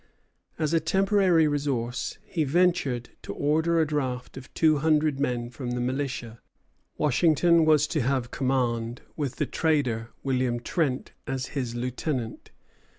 As a temporary resource, he ventured to order a draft of two hundred men from the militia. Washington was to have command, with the trader, William Trent, as his lieutenant.